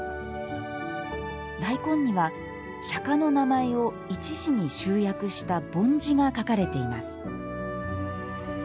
大根には釈迦の名前を１字に集約したぼん字が書かれています。